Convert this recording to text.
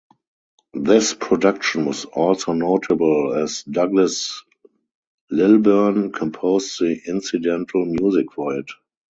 This production was also notable as Douglas Lilburn composed the incidental music for it.